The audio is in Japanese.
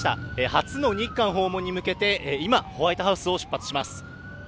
初の日韓訪問に向けて今、ホワイトハウスを出発します。